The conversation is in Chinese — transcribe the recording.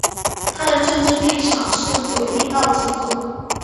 它的政治立场是左翼到极左。